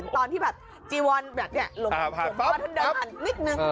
ตอนที่แบบจีวอนแบบนี้หลวงพ่อท่านเดินผ่านนิดนึง